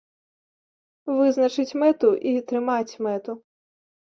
Вызначыць мэту і трымаць мэту.